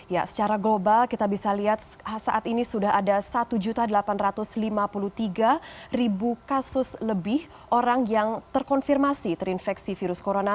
ya secara global kita bisa lihat saat ini sudah ada satu delapan ratus lima puluh tiga kasus lebih orang yang terkonfirmasi terinfeksi virus corona